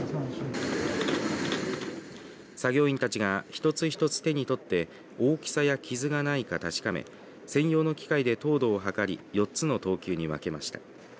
作業員たちが一つ一つ手に取って大きさや傷がないか確かめ専用の機械で糖度を測り４つの等級に分けました。